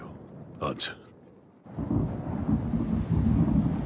あんちゃん。